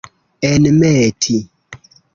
enmeti